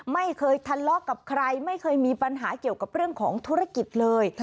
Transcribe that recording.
ไม่เคยทะเลาะกับใครไม่เคยมีปัญหาเกี่ยวกับเรื่องของธุรกิจเลย